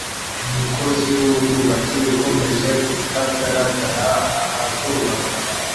Umukozi wubwubatsi ukomeje kutagaragara ahazubakwa